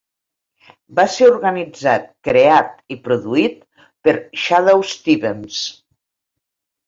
Va ser organitzat, creat i produït per Shadoe Stevens.